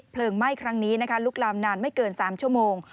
เพลิงไหม้ครั้งนี้ลุกลามนานไม่เกิน๓ชั่วโมง